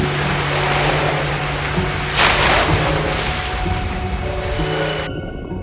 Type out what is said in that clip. kau tahu apa